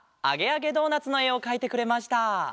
「あげあげドーナツ」のえをかいてくれました。